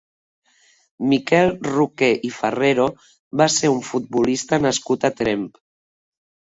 Miquel Roqué i Farrero va ser un futbolista nascut a Tremp.